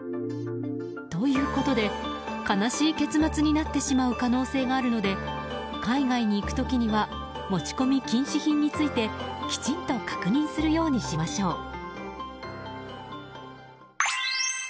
ということで、悲しい結末になってしまう可能性があるので海外に行く時には持ち込み禁止品についてきちんと確認するようにしましょう。